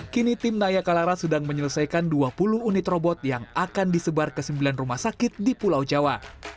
kini tim nayakalara sedang menyelesaikan dua puluh unit robot yang akan disebar ke sembilan rumah sakit di pulau jawa